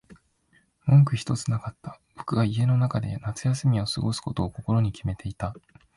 文句ひとつなかった。僕は家の中で夏休みを過ごすことを心に決めていた。